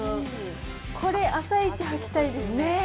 これ、朝イチ、履きたいです。